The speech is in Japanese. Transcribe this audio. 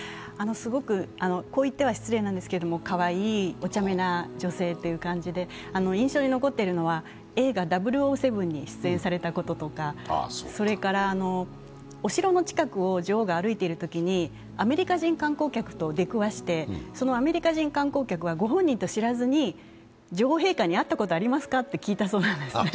すごく、こう言っては失礼なんですけれども、かわいい、おちゃめな女性で、印象に残っているのは映画「００７」に出演されたこととか、それからお城の近くを女王が歩いているときにアメリカ人観光客を出くわして、そのアメリカ人観光客はご本人と知らずに女王陛下に会ったことありますか？と聞いたそうなんですね。